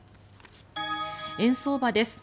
円相場です。